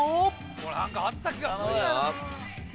これなんかあった気がする。